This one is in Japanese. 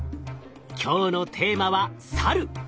今日のテーマはサル！